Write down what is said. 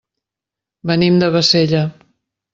Venim de Bassella.